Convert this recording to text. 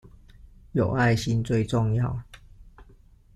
有愛心最重要